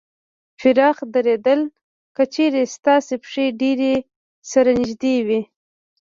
پراخ درېدل : که چېرې ستاسې پښې ډېرې سره نږدې وي